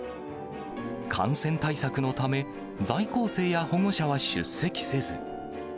感染対策のため、在校生や保護者は出席せず。